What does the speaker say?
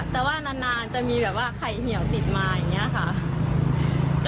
แต่ว่านานจะมีแบบว่าไข่เหี่ยวติดมาอย่างนี้ค่ะ